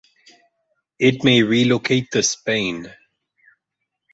It may relocate to Spain.